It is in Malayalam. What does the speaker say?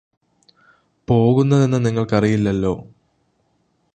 പോകുന്നതെന്ന് നിങ്ങള്ക്ക് അറിയില്ലല്ലോ